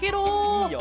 いいよ。